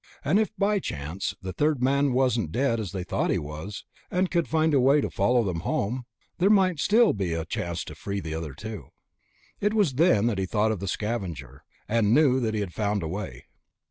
And if, by chance, the third man wasn't as dead as they thought he was, and could find a way to follow them home, there might still be a chance to free the other two. It was then that he thought of the Scavenger, and knew that he had found a way.